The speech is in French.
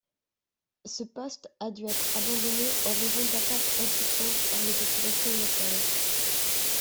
Ce poste a dû être abandonné en raison d'attaques insistantes par les populations locales.